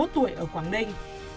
hai mươi một tuổi ở quảng ninh